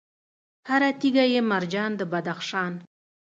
هر تیږه یې مرجان د بدخشان